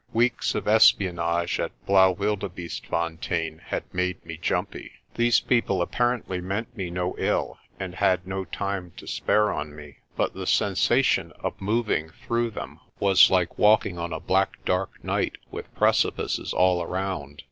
Weeks of espionage at Blaauwilde beestefontein had made me jumpy. These people appar ently meant me no ill and had no time to spare on me. But the sensation of moving through them was like walking on a black dark night with precipices all around.